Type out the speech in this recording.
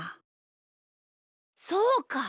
そうか！